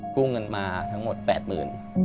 กู้เงินมาทั้งหมด๘หมื่น